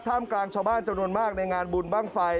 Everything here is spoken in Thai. กลางชาวบ้านจำนวนมากในงานบุญบ้างไฟ